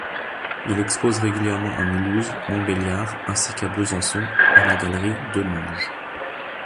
Il expose régulièrement à Mulhouse, Montbéliard, ainsi qu’à Besançon, à la Galerie Demange.